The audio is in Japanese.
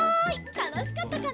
たのしかったかな？